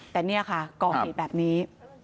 แต่เนี่ยค่ะกรอบเปลี่ยนแบบนี้